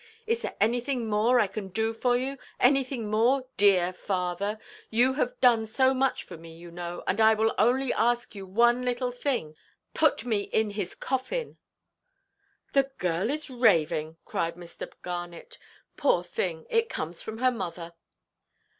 Is there anything more I can do for you, anything more, dear father? You have done so much for me, you know. And I will only ask you one little thing—put me in his coffin." "The girl is raving," cried Mr. Garnet. "Poor thing, it comes from her mother."